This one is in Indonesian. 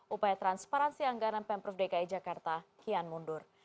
upaya transparansi anggaran pemprov dki jakarta kian mundur